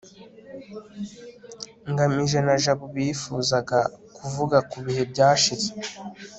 ngamije na jabo bifuzaga kuvuga ku bihe byashize